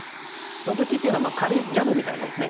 ノゾキっていうのは軽いジャブみたいなもんですね。